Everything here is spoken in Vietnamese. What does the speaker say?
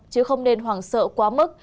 chứ không nên hoảng sợ quá mức